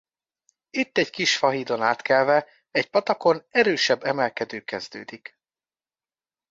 Itt egy kis fahídon átkelve egy patakon erősebb emelkedő kezdődik.